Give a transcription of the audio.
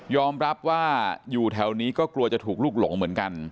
รับว่าอยู่แถวนี้ก็กลัวจะถูกลูกหลงเหมือนกัน